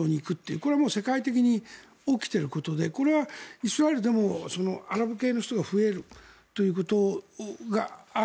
これは世界的に起きていることでこれはイスラエルでもアラブ系の人が増えるということがある。